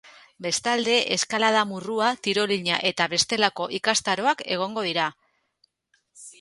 Bestalde, eskalada-murrua, tirolina eta bestelako ikastaroak egongo dira.